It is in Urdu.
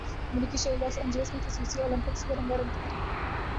امریکی شہر لاس اینجلس میں خصوصی اولمپکس کی رنگا رنگ تقریب